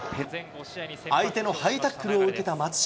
相手のハイタックルを受けた松島。